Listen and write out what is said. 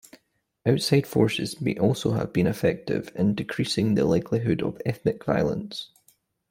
Outside forces may also be effective in decreasing the likelihood of ethnic violence.